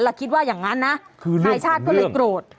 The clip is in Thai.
แล้วคิดว่าอย่างนั้นนะนายชาติก็เลยโกรธ